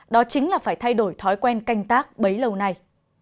đó chính là phải thay đổi thói quen canh tác bấy lâu nay